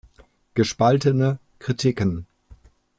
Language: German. Gespaltene Kritiken.